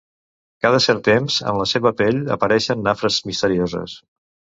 Cada cert temps, en la seva pell apareixen nafres misterioses.